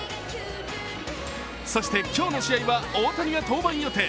そして今日の試合は大谷が登板予定。